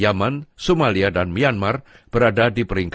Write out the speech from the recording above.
yang satu alasan kenapa itu sangat penting